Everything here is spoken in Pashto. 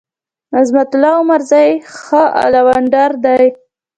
عظمت الله عمرزی ښه ال راونډر دی.